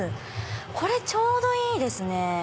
これちょうどいいですね。